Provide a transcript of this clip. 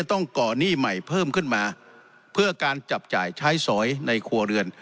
ต้องก่อหนี้ใหม่เพิ่มขึ้นมาเพื่อการจับจ่ายใช้สอยในครัวเรือน